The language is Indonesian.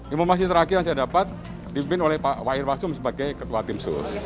informasi terakhir yang saya dapat dibimbing oleh pak irbasum sebagai ketua timsus